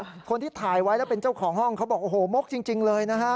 คนที่ถ่ายไว้แล้วเป็นเจ้าของห้องเขาบอกโอ้โหมกจริงจริงเลยนะฮะ